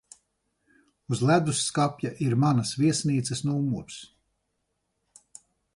Uz ledusskapja ir manas viesnīcas numurs.